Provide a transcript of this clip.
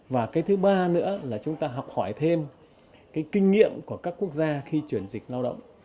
và cái thứ ba nữa là chúng ta học hỏi thêm cái kinh nghiệm của các quốc gia khi chuyển dịch lao động